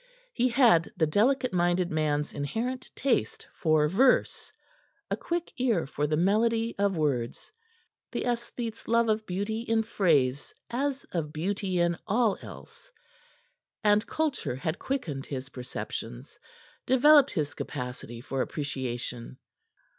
He had the delicate minded man's inherent taste for verse, a quick ear for the melody of words, the aesthete's love of beauty in phrase as of beauty in all else; and culture had quickened his perceptions, developed his capacity for appreciation.